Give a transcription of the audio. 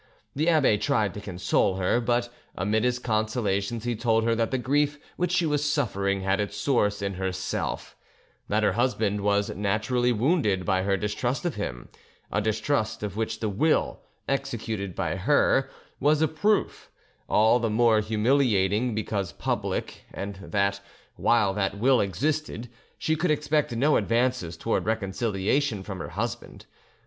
The abbe tried to console her; but amid his consolations he told her that the grief which she was suffering had its source in herself; that her husband was naturally wounded by her distrust of him—a distrust of which the will, executed by her, was a proof, all the more humiliating because public, and that, while that will existed, she could expect no advances towards reconciliation from her husband.